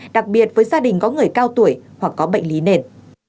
đặc biệt với gia đình có người cao tuổi hoặc có bệnh lý nền